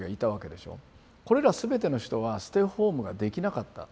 これら全ての人はステイホームができなかった。